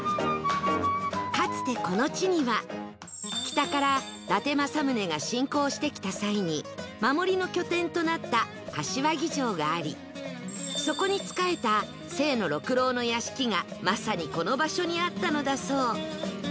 かつてこの地には北から伊達政宗が侵攻してきた際に守りの拠点となった柏木城がありそこに仕えた清野六郎の屋敷がまさにこの場所にあったのだそう